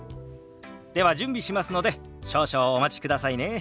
では準備しますので少々お待ちくださいね。